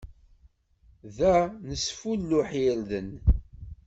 Da, nesfulluḥ irden.